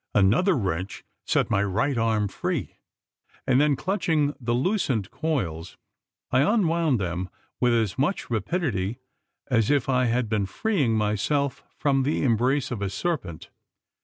Another wrench set my right arm free; and then, clutching the loosened coils, I unwound them with as much rapidity, as if I had been freeing myself from the embrace of a serpent!